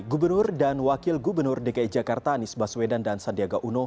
gubernur dan wakil gubernur dki jakarta anies baswedan dan sandiaga uno